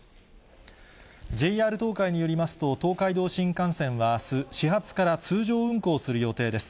ＪＲ東海によりますと、東海道新幹線はあす、始発から通常運行する予定です。